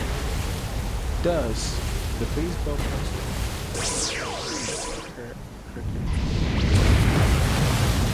Thus the baseball concept of a double play cannot occur in cricket.